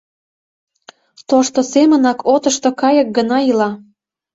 Тошто семынак отышто кайык гына ила.